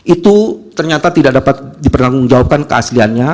itu ternyata tidak dapat dipertanggung jawabkan kehasilannya